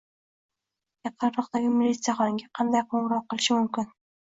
Yaqinroqdagi militsiyaxonaga qanday qo'ng’iroq qilish mumkin?